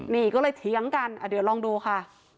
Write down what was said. นี่ก็เลยเถียงกันเดี๋ยวลองดูค่ะ